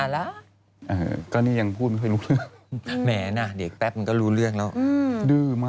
แล้วอีกอย่างนึงคือ